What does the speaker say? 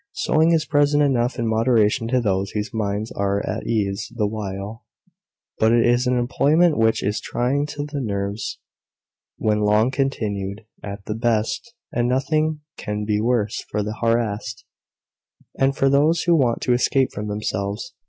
Sewing is pleasant enough in moderation to those whose minds are at ease the while; but it is an employment which is trying to the nerves when long continued, at the best; and nothing can be worse for the harassed, and for those who want to escape from themselves.